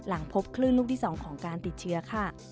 หลังพบคลื่นลูกที่๒ของการติดเชื้อค่ะ